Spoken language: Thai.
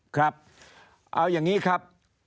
ครับเอาอย่างนี้ครับ